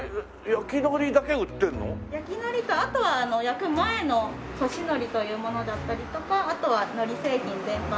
焼き海苔とあとは焼く前の乾海苔というものだったりとかあとは海苔製品全般。